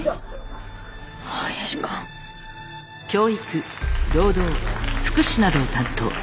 教育労働福祉などを担当。